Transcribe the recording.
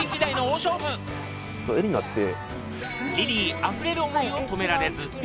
リリーあふれる思いを止められず